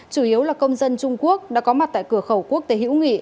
chủ yếu là công dân trung quốc đã có mặt tại cửa khẩu quốc tế hữu nghị